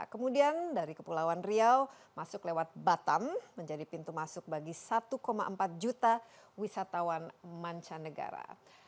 kemudian dari kepulauan riau masuk lewat batam menjadi pintu masuk bagi satu empat juta wisatawan mancanegara